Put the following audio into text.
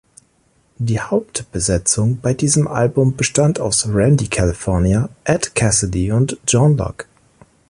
Die Hauptbesetzung bei diesem Album bestand aus Randy California, Ed Cassidy und John Locke.